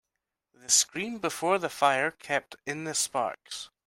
The screen before the fire kept in the sparks.